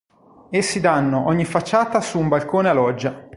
Essi danno ogni facciata su un balcone a loggia.